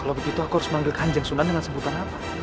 kalau begitu aku harus manggil kanjeng sunan dengan sebutan apa